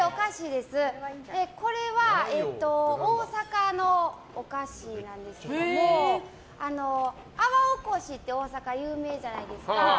これは大阪のお菓子なんですけど粟おこしって大阪は有名じゃないですか。